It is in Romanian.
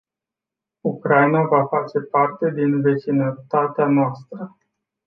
Ucraina face parte din vecinătatea noastră.